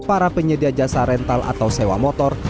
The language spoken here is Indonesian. para penyedia jasa rental atau sewa motor